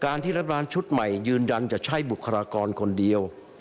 การที่จะรับร้านชุดใหม่ยืนดังจะใช้บุคลากรคนเดียว